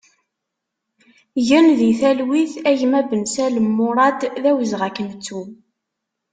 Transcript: Gen di talwit a gma Bensalem Murad, d awezɣi ad k-nettu!